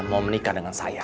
mau menikah dengan saya